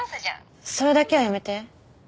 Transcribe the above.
それだけはやめて。